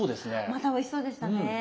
またおいしそうでしたね。